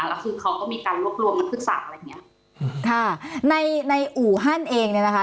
แล้วคือเขาก็มีการรวบรวมนักศึกษาอะไรอย่างเงี้ยค่ะในในอู่ฮั่นเองเนี่ยนะคะ